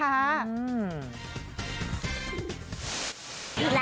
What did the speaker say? รับแม่นะคะ